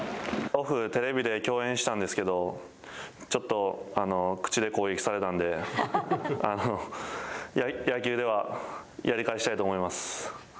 オフにテレビで共演したんですけど、ちょっと口で攻撃されたんで野球ではやり返したいと思います。